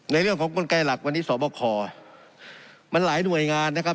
ในเรื่องของกลไกหลักวันนี้สอบคอมันหลายหน่วยงานนะครับ